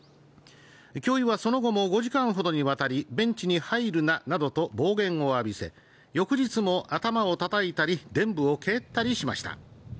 教諭はその後も５時間ほどにわたりベンチに入るななどと暴言を浴びせ、翌日も頭をたたいたり臀部を蹴ったりしました。